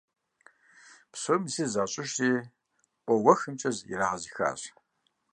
Псоми зы защIыжри къуэ уэхымкIэ ирагъэзыхащ.